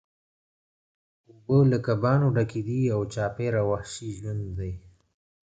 اوبه له کبانو ډکې دي او چاپیره وحشي ژوند دی